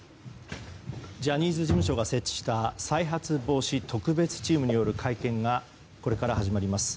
ジャニーズ事務所が設置した再発防止特別チームによる会見がこれから始まります。